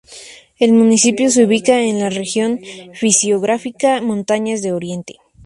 El municipio se ubica en la región fisiográfica Montañas de Oriente.